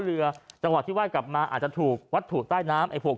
เรือจังหวะที่ไห้กลับมาอาจจะถูกวัตถุใต้น้ำไอ้พวก